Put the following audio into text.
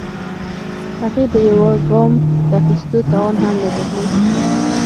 هغې د يوه ګام د اخيستو توان هم نه درلوده.